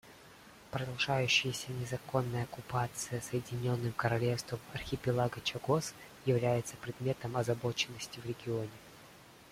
Продолжающаяся незаконная оккупация Соединенным Королевством архипелага Чагос является предметом озабоченности в регионе.